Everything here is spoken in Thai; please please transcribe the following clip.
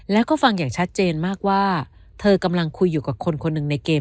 แล้วก็ฟังอย่างชัดเจนมากว่าเธอกำลังคุยอยู่กับคนคนหนึ่งในเกม